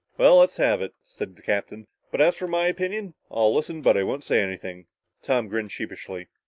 "Well, let's have it," said the captain. "But as for my opinion I'll listen, but I won't say anything." Tom grinned sheepishly.